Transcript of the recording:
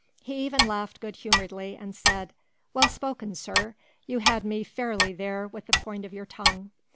He even laughed good humouredly and said: "Well spoken, sir. You had me fairly there with the point of your tongue.